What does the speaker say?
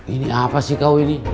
ini apa sih kau ini